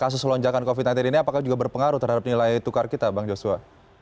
sejak covid sembilan belas ini apakah juga berpengaruh terhadap nilai tukar kita bang joshua